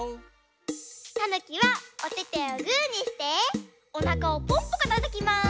たぬきはおててをグーにしておなかをポンポコたたきます！